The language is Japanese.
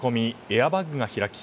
エアバッグが開き